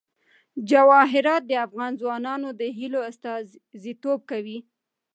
جواهرات د افغان ځوانانو د هیلو استازیتوب کوي.